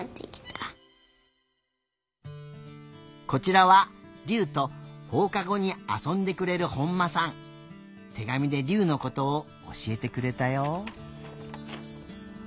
こちらはりゅうとほうかごにあそんでくれるてがみでりゅうのことをおしえてくれたよ。